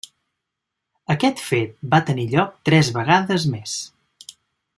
Aquest fet va tenir lloc tres vegades més.